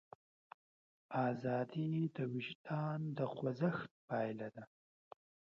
ازادي د وجدان د خوځښت پایله ده.